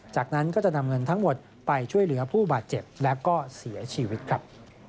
จากนั้นก็จะนำเงินทั้งหมดไปช่วยเหลือผู้บาดเจ็บและก็เสียชีวิตครับ